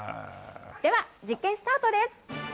では実験スタートです。